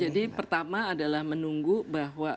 jadi pertama adalah menunggu bahwa